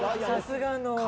さすがの。